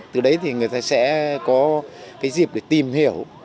từ đấy thì người ta sẽ có cái dịp để tìm hiểu